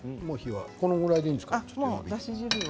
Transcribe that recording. これぐらいでいいんですか。